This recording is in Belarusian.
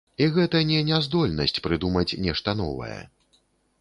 І гэта не няздольнасць прыдумаць нешта новае.